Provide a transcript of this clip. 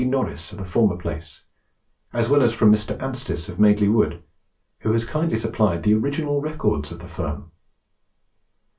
Norris of the former place, as well as from Mr. Anstice of Madeley Wood, who has kindly supplied the original records of the firm.